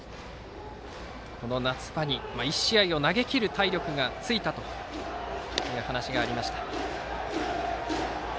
この夏場に１試合を投げきる体力がついたという話がありました。